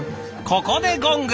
ここでゴング！